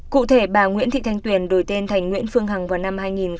cụ thể bà nguyễn thị thanh tuyền đổi tên thành nguyễn phương hằng vào năm hai nghìn một mươi